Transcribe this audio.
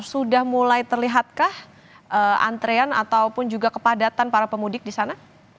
sudah mulai terlihatkah antrean ataupun juga kepadatan para pemudik di sana